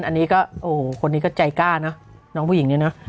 อันนี้ก็โอ้โหคนนี้ก็ใจกล้านะน้องผู้หญิงเนี่ยนะ